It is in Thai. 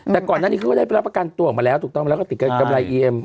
แต่ก่อนหน้านี้เขาก็ได้รับประกันตัวออกมาแล้วถูกต้องแล้วก็ติดกำไรเอียม